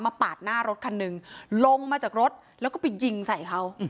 ปาดหน้ารถคันหนึ่งลงมาจากรถแล้วก็ไปยิงใส่เขา